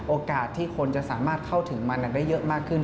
โอกาสที่คนจะสามารถเข้าถึงมันได้เยอะมากขึ้น